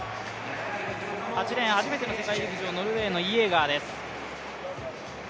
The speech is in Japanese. ８レーン初めての世界陸上、ノルウェーのイエーガーです。